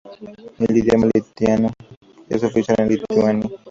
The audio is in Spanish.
El idioma lituano es oficial en Lituania.